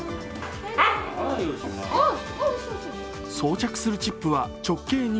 装着するチップは直径２ｍｍ。